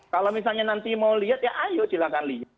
kalau misalnya nanti mau lihat ya ayo silahkan lihat